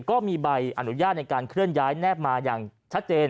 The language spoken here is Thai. ก็มีใบอนุญาตในการเคลื่อนย้ายแนบมาอย่างชัดเจน